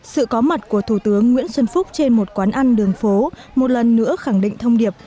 sự có mặt của thủ tướng nguyễn xuân phúc trên một quán ăn đường phố một lần nữa khẳng định thông điệp